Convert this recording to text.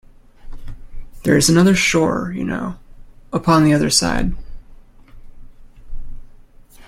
There is another shore, you know, upon the other side.